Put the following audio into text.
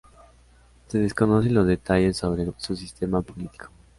Se desconocen los detalles sobre su sistema político.